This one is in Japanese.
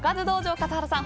笠原さん